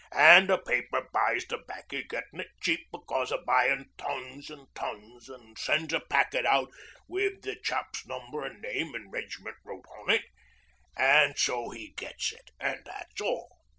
An' the paper buys the 'baccy, gettin' it cheap becos o' buyin' tons an' tons, an' sends a packet out wi the chap's number an' name and reg'ment wrote on it. So 'e gets it. An' that's all.'